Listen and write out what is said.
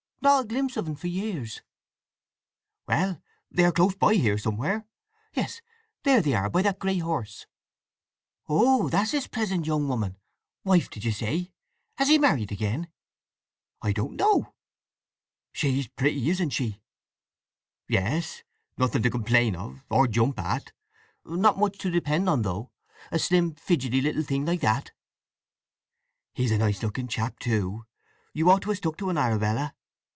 "No. Not a glimpse of un for years!" "Well, they are close by here somewhere. Yes—there they are—by that grey horse!" "Oh, that's his present young woman—wife did you say? Has he married again?" "I don't know." "She's pretty, isn't she!" "Yes—nothing to complain of; or jump at. Not much to depend on, though; a slim, fidgety little thing like that." "He's a nice looking chap, too! You ought to ha' stuck to un, Arabella."